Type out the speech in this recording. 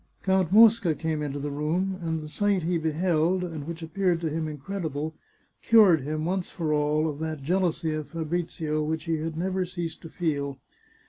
Count Mosca came into the room, and the sight he be held (and which appeared to him incredible) cured him, once for all, of that jealousy of Fabrizio which he had never ceased to feel.